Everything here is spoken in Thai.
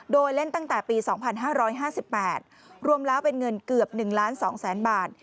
โดยเล่นตั้งแต่ปี๒๕๕๘รวมล้าเป็นเงินเกือบ๑๒๐๐๐๐๐บาท